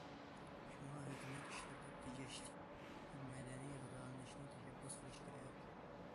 شۇڭا، ھۆكۈمەت ئىشلىرىدا تېجەشلىك ھەم مەدەنىي غىزالىنىشنى تەشەببۇس قىلىش كېرەك.